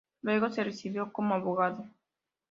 Luego se recibió como abogado.